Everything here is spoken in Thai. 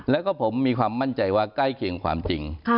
แล้วก็ผมมีความมั่นใจว่าใกล้เคียงความจริง